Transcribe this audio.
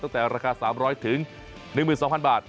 ตั้งแต่ราคา๓๐๐๑๒๐๐บาท